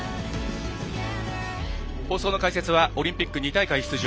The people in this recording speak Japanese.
放送の解説はオリンピック２大会出場